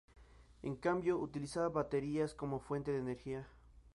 En cambio, utilizaba baterías como fuente de energía.